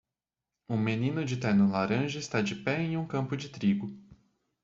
Um menino de terno laranja está de pé em um campo de trigo.